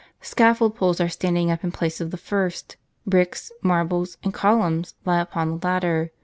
Scaffold poles are standing up in place of the first ; bricks, marbles, and columns lie upon the latter.